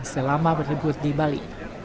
selama berlibur di bali